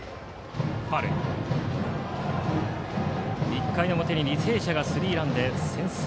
１回表に履正社がスリーランで先制。